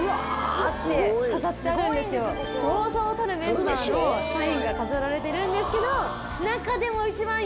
そうそうたるメンバーのサインが飾られてるんですけど。